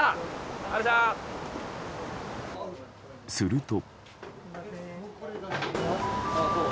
すると。